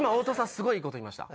すごいいい事言いました。